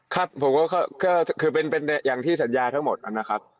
ครับผมก็คือเป็นอย่างที่สัญญาทั้งหมดนะครับ